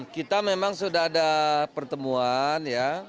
kita memang sudah ada pertemuan ya